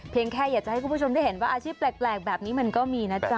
แค่อยากจะให้คุณผู้ชมได้เห็นว่าอาชีพแปลกแบบนี้มันก็มีนะจ๊ะ